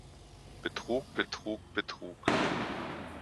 Betrug, Betrug, Betrug!